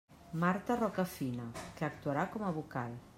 Marta Roca Fina, que actuarà com a vocal.